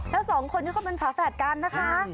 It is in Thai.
แล้วสองคนนี่เขาเป็นสาธารการนะคะ